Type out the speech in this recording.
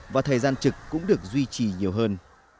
và thời gian trực cũng được duy trì nhiều hơn